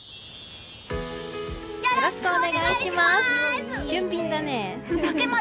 よろしくお願いします！